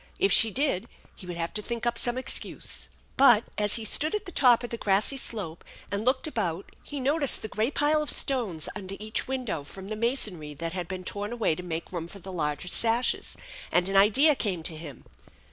If she did, he would have to think up some excuse. But, as he stood at the top of the grassy slope and looked about, he noticed the great pile of stones under each window, from the masonry that had been torn away to make room for the larger sashes, and an idea came to him.